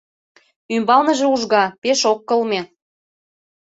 Ӱмбалныже ужга, пеш ок кылме.